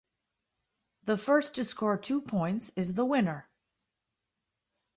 The first to score two points is the winner.